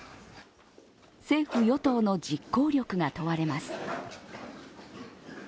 政府・与党の実行力が問われます。